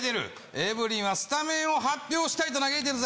エブリンはスタメンを発表したいと嘆いてるぜ。